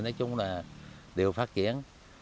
nói chung là đều phát triển